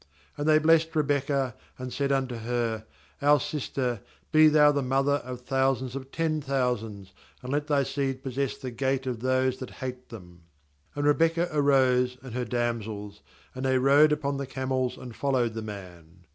60And they blessed Rebekah, and said unto her: 'Our sister, be thou the mother of tnrfusands of ten thousands, and let thy seed possess the gate of those that hate them.' 61And Rebekah arose, and her damsels, and they rode upon the camels, and fol lowed the man.